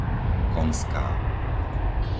Konská